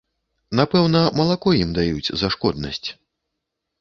Напэўна, малако ім даюць за шкоднасць.